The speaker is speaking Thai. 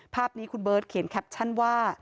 ภาพนี้คุณเบิร์ตเขียนแคปชั่นว่า